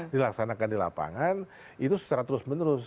dilaksanakan di lapangan itu secara terus menerus